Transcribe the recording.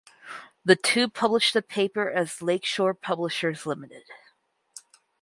The two published the paper as Lakeshore Publishers Limited.